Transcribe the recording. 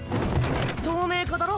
透明化だろ？